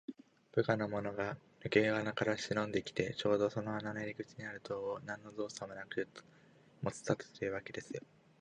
部下のものがぬけ穴からしのんできて、ちょうどその穴の入り口にある塔を、なんのぞうさもなく持ちさったというわけですよ。